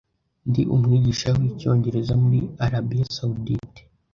Ndi Umwigisha wicyongereza muri Arabiya Sawudite